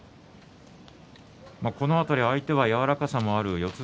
この辺り、相手は柔らかさもある四つ